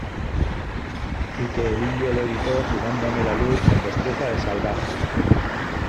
y que el indio lo evitó jugándome la luz con destreza de salvaje.